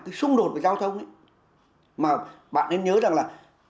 cái xung đột với giao thông mà bạn nên nhớ rằng là